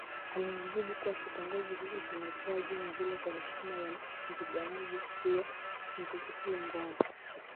Alinijibu kuwa kitongoji hiki kimepewa jina hilo kwa heshima ya mpiganaji huyo Kinjekitile Ngwale